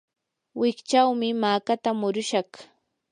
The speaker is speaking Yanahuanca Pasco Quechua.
wikchawmi makata murushaq.